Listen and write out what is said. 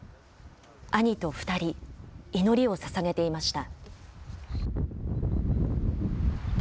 兄と２人、祈りをささげていました。